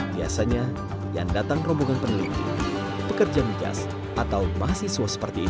biasanya yang datang rombongan peneliti pekerja migas atau mahasiswa seperti ini